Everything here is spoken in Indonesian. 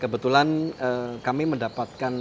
kebetulan kami mendapatkan